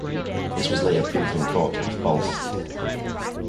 This was later proved in court to be false.